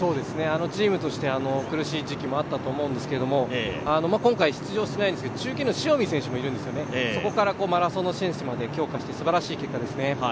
チームとして苦しい時期もあったと思うんですけど、今回、出場しないんですけど、塩見選手もいるんですよね、そこからマラソンの選手まで強化してすばらしい結果ですね。